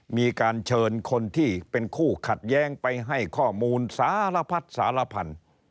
มีการเชิญคนที่เป็นคู่ขัดแย้งไปให้ข้อมูลสารพัดสารพันธุ์